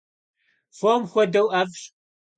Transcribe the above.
Фом хуэдэу ӏэфӏщ.